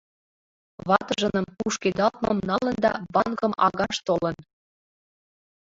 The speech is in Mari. Ватыжыным, кушкедалтмым, налын да банкым агаш толын.